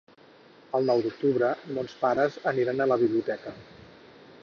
El nou d'octubre mons pares aniran a la biblioteca.